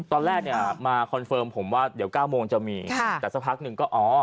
ตอนแรกเนี่ยมาคอนเฟิร์มผมว่าเดี๋ยว๙โมงจะมีค่ะแต่สักพักหนึ่งก็อ๋อ